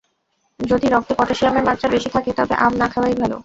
যদি রক্তে পটাশিয়ামের মাত্রা বেশি থাকে তবে আম না খাওয়াই ভালো।